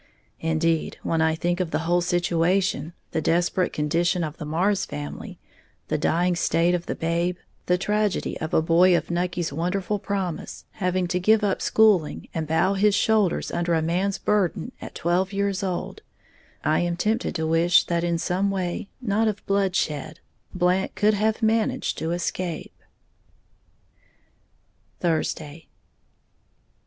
Indeed, when I think of the whole situation, the desperate condition of the Marrs family, the dying state of the babe, the tragedy of a boy of Nucky's wonderful promise having to give up schooling and bow his shoulders under a man's burden at twelve years old, I am tempted to wish that in some way, not of bloodshed, Blant could have managed to escape. _Thursday.